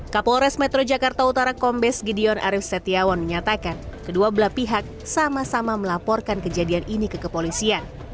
kapolres metro jakarta utara kombes gideon arief setiawan menyatakan kedua belah pihak sama sama melaporkan kejadian ini ke kepolisian